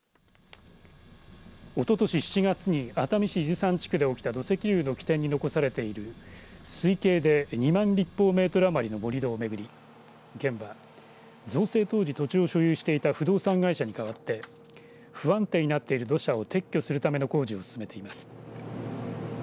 おととし７月に熱海市伊豆山地区で起きた土石流の起点に残されている推計で２万立方メートル余りの盛り土を巡り県は造成当時土地を所有していた不動産会社に代わって不安定になっている土砂を撤去するための工事を進めています。